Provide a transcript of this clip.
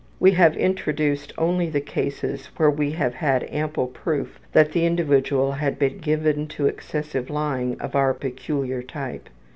We have introduced only the cases where we have had ample proof that the individual had been given to excessive lying of our peculiar type.